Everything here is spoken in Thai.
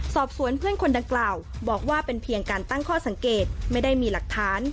สอบสวนเพื่อนคนดังกล่าวบอกว่าเป็นเพียงการตั้งข้อสังเกตไม่ได้มีหลักฐาน